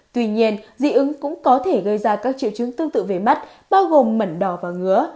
tuy nhiên dị ứng cũng có thể gây ra các triệu chứng tương tự về mắt bao gồm mẩn đỏ và ngứa